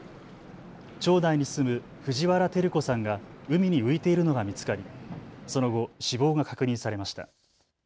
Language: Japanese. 町内に住む藤原照子さんが海に浮いているのが見つかりその後、死亡が確認されました。